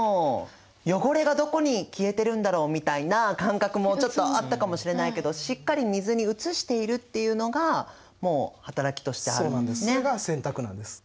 汚れがどこに消えてるんだろうみたいな感覚もちょっとあったかもしれないけどしっかり水に移しているっていうのがもう働きとしてあるんですね。